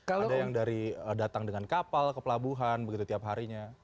ada yang dari datang dengan kapal ke pelabuhan begitu tiap harinya